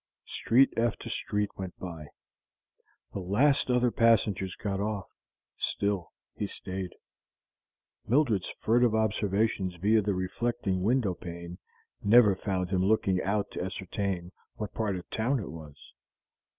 Street after street went by. The last other passenger got off. Still he stayed. Mildred's furtive observations via the reflecting window pane never found him looking out to ascertain what part of town it was.